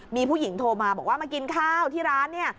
มีผู้หญิงโทรมาบอกว่ามากินข้าวที่ร้านเนี่ย